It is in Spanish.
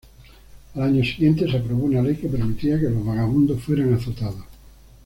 Al año siguiente se aprobó una ley que permitía que los vagabundos fueran azotados.